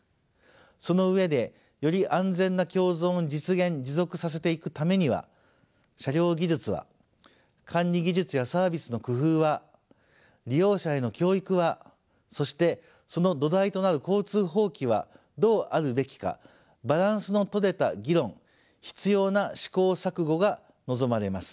その上でより安全な共存を実現持続させていくためには車両技術は管理技術やサービスの工夫は利用者への教育はそしてその土台となる交通法規はどうあるべきかバランスのとれた議論必要な試行錯誤が望まれます。